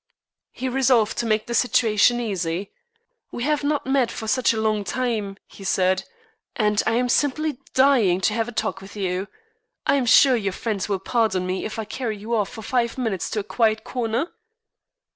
He resolved to make the situation easy. "We have not met for such a long time," he said; "and I am simply dying to have a talk with you. I am sure your friends will pardon me if I carry you off for five minutes to a quiet corner."